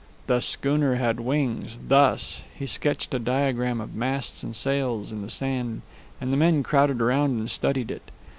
"The schooner had wings thus." He sketched a diagram of masts and sails in the sand, and the men crowded around and studied it.